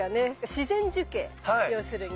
自然樹形要するに。